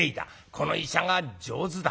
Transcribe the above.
「この医者が上手だ」